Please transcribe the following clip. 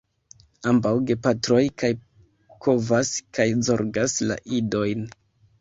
Ambaŭ gepatroj kaj kovas kaj zorgas la idojn.